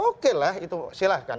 oke lah itu silahkan